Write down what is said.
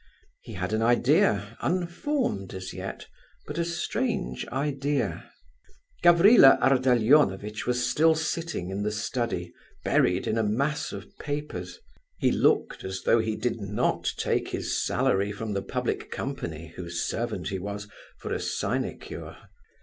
He had an idea, unformed as yet, but a strange idea. Gavrila Ardalionovitch was still sitting in the study, buried in a mass of papers. He looked as though he did not take his salary from the public company, whose servant he was, for a sinecure.